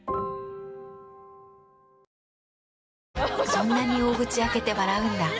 そんなに大口開けて笑うんだ。